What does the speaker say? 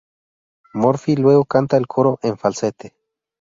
Murphy luego canta el coro en falsete.